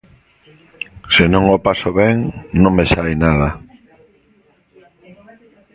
Se non o paso ben, non me sae nada.